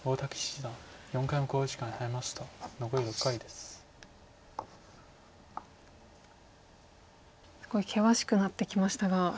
すごい険しくなってきましたが。